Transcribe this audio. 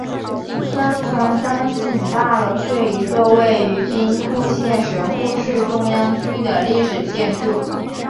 商船三井大楼是一座位于兵库县神户市中央区的历史建筑。